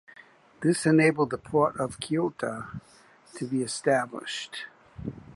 This enabled the Port of Keota to be established.